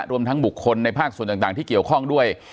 รวมทั้งบุคคลในภาคส่วนต่างที่เกี่ยวข้องด้วย